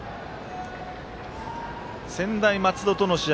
専大松戸との試合